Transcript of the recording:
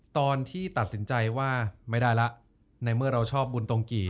ตอนที่ตัดสินใจว่าไม่ได้ละในเมื่อเราชอบบุญตรงกี่